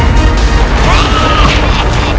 kau akan menang